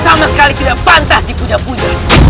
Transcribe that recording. sama sekali tidak pantas dipunyai punyai